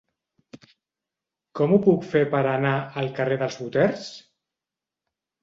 Com ho puc fer per anar al carrer dels Boters?